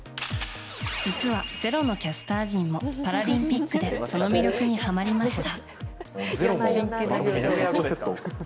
実は「ｚｅｒｏ」のキャスター陣もパラリンピックでその魅力にはまりました。